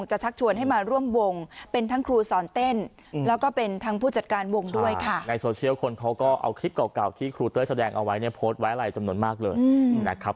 ก็จะคิดถึงเต้ยเหมือนเดิมครับ